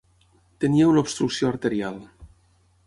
Tenia una obstrucció arterial.